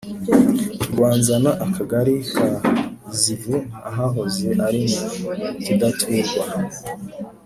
Rwanzana Akagari ka Zivu ahahoze ari mu cyidaturwa